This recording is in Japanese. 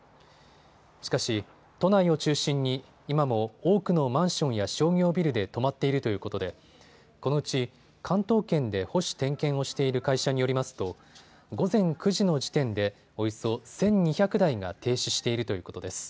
しかし都内を中心に今も多くのマンションや商業ビルで止まっているということでこのうち関東圏で保守・点検をしている会社によりますと午前９時の時点でおよそ１２００台が停止しているということです。